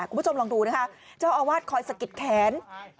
คุณผู้ชมลองดูนะคะเจ้าอาวาสคอยสะกิดแขน